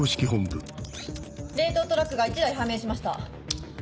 冷凍トラックが１台判明しました。